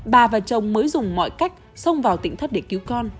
bà và chồng mới dùng mọi cách xông vào tỉnh thất để cứu con